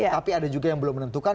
tapi ada juga yang belum menentukan